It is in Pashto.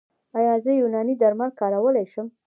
ایا زه یوناني درمل کارولی شم؟